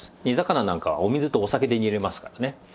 煮魚なんかはお水とお酒で煮れますからね。